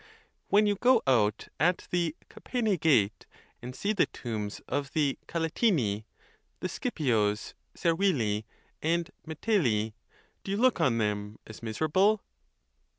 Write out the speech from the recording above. When you go out at the Capene gate and see the tombs of the Calatini, the Scipios, Servilii, and Metelli, do you look on them as mis erable